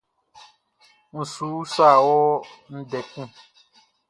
N su usa wɔ ndɛ kun.